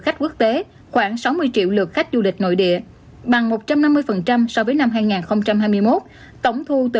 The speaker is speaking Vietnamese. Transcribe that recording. khách quốc tế khoảng sáu mươi triệu lượt khách du lịch nội địa bằng một trăm năm mươi so với năm hai nghìn hai mươi một